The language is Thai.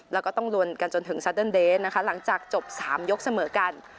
แล้วก็ต้องลวนกันจนถึงนะคะหลังจากจบสามยกเสมอกัน